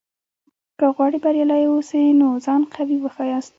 که غواړې بریالی واوسې؛ نو ځان قوي وښیاست!